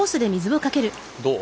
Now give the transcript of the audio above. どう？